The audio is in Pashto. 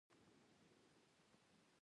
د خلکو پام یې ځانته اړاوه.